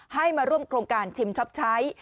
ให้มาร่วมโครงการชิมช็อปใช้